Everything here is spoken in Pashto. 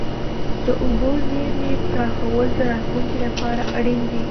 د اوبو زیرمې پراخول د راتلونکي لپاره اړین دي.